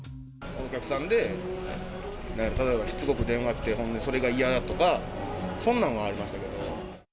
お客さんで、しつこく電話来て、ほんでそれが嫌やとか、そんなんはありましたけど。